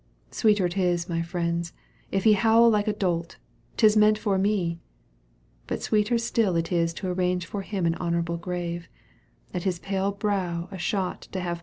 Sweeter it is, my friends, if he Howl like a dolt : 'tis meant for me ! But sweeter stiH it is to arrange For him an honourable grave, At his pale brow a shot to have.